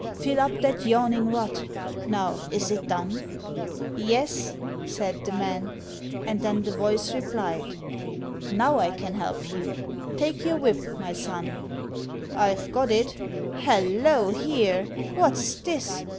Fill up that yawning rut. Now, is it done?" "Yes," said the man; and then the voice replied, "Now I can help you; take your whip, my son." "I've got it. Hallo! here; what's this?"